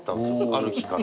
ある日から。